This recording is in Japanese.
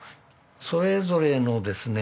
それぞれのですね